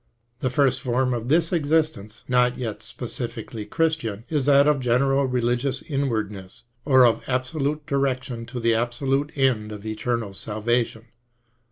The first form of this existence, not yet specifically Christian, is that of general religious inwardness, or of absolute direction to the absolute end of eternal salvation.